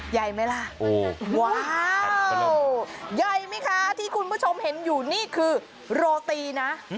ใหญ่ไหมล่ะว้าวใหญ่ไหมคะที่คุณผู้ชมเห็นอยู่นี่คือโรตีนะ